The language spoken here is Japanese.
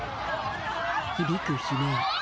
響く悲鳴。